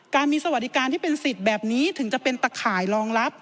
การมีสวัสดิการที่เป็นสิทธิ์แบบนี้ถึงจะเป็นตะข่ายรองรับ